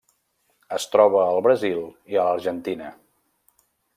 Es troba al Brasil i a l'Argentina.